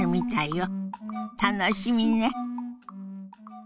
楽しみね。